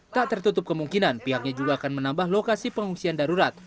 tak tertutup kemungkinan pihaknya juga akan menambah lokasi pengungsian darurat